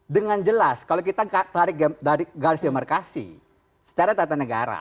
dengan jelas kalau kita tarik dari garis demarkasi secara tata negara